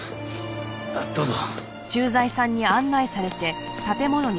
どうぞ。